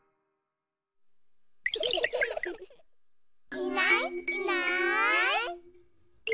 いないいない。